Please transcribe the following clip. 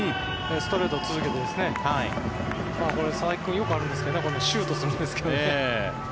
ストレート、続けて佐々木君、よくあるんですけどねシュートするんですけど。